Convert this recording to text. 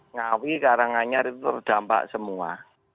ngawi karanganyar itu terdampak semua